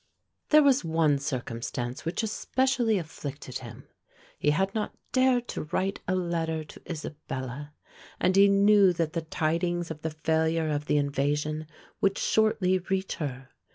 There was one circumstance which especially afflicted him. He had not dared to write a letter to Isabella; and he knew that the tidings of the failure of the invasion would shortly reach her.